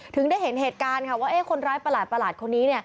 ถึงได้เห็นเหตุการณ์ค่ะว่าคนร้ายประหลาดคนนี้